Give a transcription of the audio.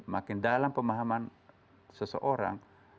makin dalam pemahaman seseorang